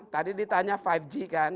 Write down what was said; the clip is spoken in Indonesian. tadi ditanya lima g kan